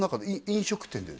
飲食店で？